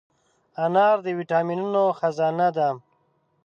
انار د ویټامینونو خزانه ده.